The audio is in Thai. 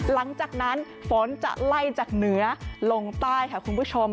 หลังจากนั้นฝนจะไล่จากเหนือลงใต้ค่ะคุณผู้ชม